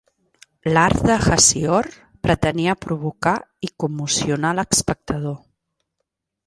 L'art de Hasior pretenia provocar i commocionar l'espectador.